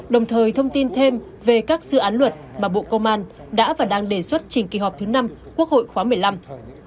đồng thời thông tin thêm về các dự án luật mà bộ công an đã và đang đề xuất chỉnh kỳ họp thứ năm quốc hội khóa một mươi năm